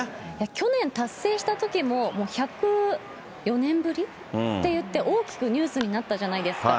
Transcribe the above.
去年達成したときも、もう１０４年ぶり？っていって、大きくニュースになったじゃないですか。